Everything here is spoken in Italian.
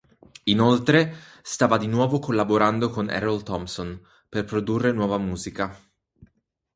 Inoltre stava di nuovo collaborando con Errol Thompson per produrre nuova musica.